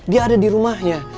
dia ada di rumahnya